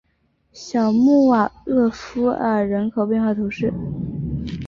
小穆瓦厄夫尔人口变化图示